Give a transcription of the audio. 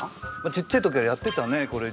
ちっちゃい時はやってたねこれ。